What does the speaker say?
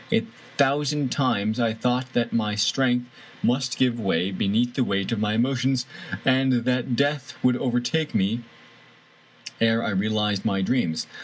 A thousand times I thought that my strength must give way beneath the weight of my emotions, and that death would overtake me ere I realized my dreams.